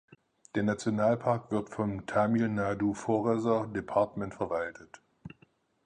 Der Nationalpark wird vom "Tamil Nadu Foresr Department" verwaltet.